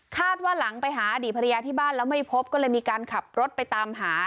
หลังไปหาอดีตภรรยาที่บ้านแล้วไม่พบก็เลยมีการขับรถไปตามหา